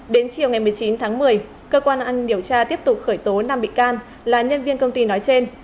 đến chiều ngày một mươi chín tháng một mươi cơ quan an ninh điều tra tiếp tục khởi tố nam bị can là nhân viên công ty nói trên